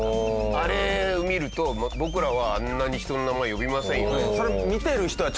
あれを見ると僕らはあんなに人の名前呼びませんよね。